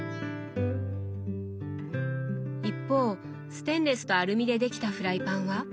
一方ステンレスとアルミでできたフライパンは？